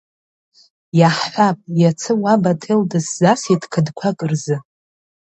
Иаҳҳәап, иацы уаб аҭел дысзасит қыдқәак рзы.